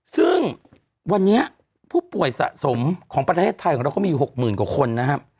ซึ่งวันนี้ผู้ป่วยสะสมของประเทศไทยของเราก็มีอยู่๖๐๐๐กว่าคนนะครับ